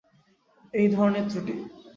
এই ধরনের ত্রুটি।